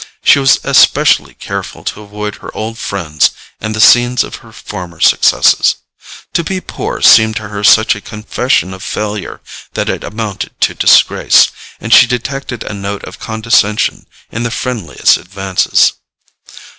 She was especially careful to avoid her old friends and the scenes of her former successes. To be poor seemed to her such a confession of failure that it amounted to disgrace; and she detected a note of condescension in the friendliest advances.